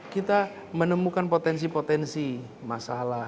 kita menemukan potensi potensi masalah